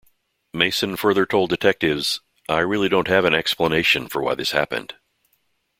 Mason further told detectives, I really don't have an explanation for why this happened.